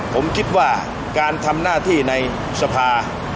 ผมคิดว่าการทำหน้าที่ในสภา